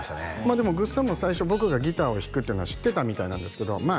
でもぐっさんも最初僕がギターを弾くっていうのは知ってたみたいなんですけどまあ